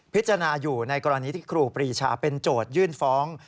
พิจารณาอยู่ในกรณีที่ครูปรีชาเป็นโจทยื่นฟ้อง